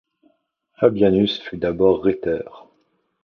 Fabianus fut d'abord rhéteur.